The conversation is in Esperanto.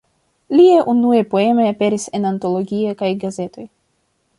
Liaj unuaj poemoj aperis en antologioj kaj gazetoj.